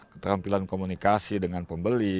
keterampilan komunikasi dengan pembeli